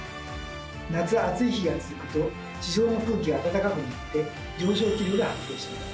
夏熱い日が続くと地上の空気があたたかくなって上昇気流が発生します。